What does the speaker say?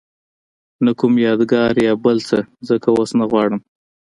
نه کوم یادګار یا بل څه ځکه اوس نه غواړم.